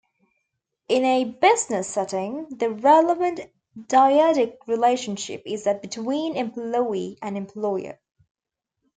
In a business setting, the relevant dyadic relationship is that between employee and employer.